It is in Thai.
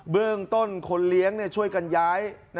เบื้องต้นคนเลี้ยงเนี่ยช่วยกันย้าย